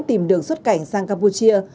thường xuất cảnh sang campuchia